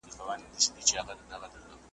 اوس یې مخ ته سمندر دی غوړېدلی ,